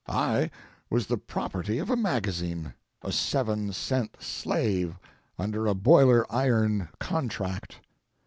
I was the property of a magazine, a seven cent slave under a boiler iron contract.